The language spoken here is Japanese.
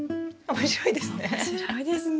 面白いですね